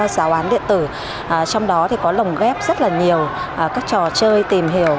giáo án điện tử trong đó có lồng ghép rất nhiều các trò chơi tìm hiểu